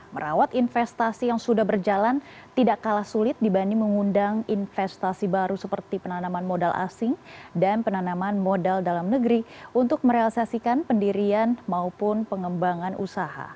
merawat investasi yang sudah berjalan tidak kalah sulit dibanding mengundang investasi baru seperti penanaman modal asing dan penanaman modal dalam negeri untuk merealisasikan pendirian maupun pengembangan usaha